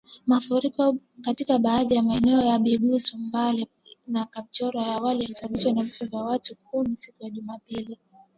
Mafuriko katika baadhi ya maeneo ya Bugisu Mbale na Kapchorwa awali yalisababisha vifo vya watu kumi siku ya Jumapili